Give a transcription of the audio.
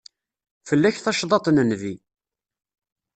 Fell-ak tacḍaḍt n Nnbi.